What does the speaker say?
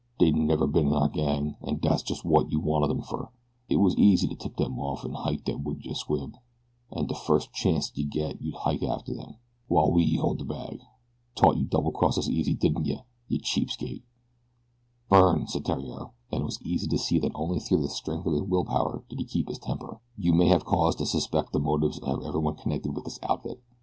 Dey never been in our gang, and dats just wot you wanted 'em fer. It was easy to tip dem off to hike out wid de squab, and de first chanct you get you'll hike after dem, while we hold de bag. Tought you'd double cross us easy, didn't yeh? Yeh cheap skate!" "Byrne," said Theriere, and it was easy to see that only through the strength of his will power did he keep his temper, "you may have cause to suspect the motives of everyone connected with this outfit.